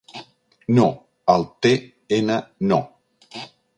No, al Te Ena no.